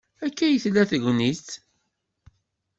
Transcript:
Akka ay tella tegnit.